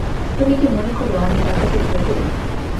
তুমি কি মনে কর আমি রাজাকে ভয় করি?